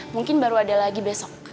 mungkin baru ada lagi besok